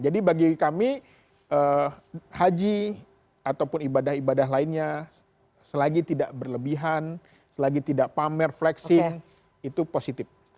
jadi bagi kami haji ataupun ibadah ibadah lainnya selagi tidak berlebihan selagi tidak pamer flexing itu positif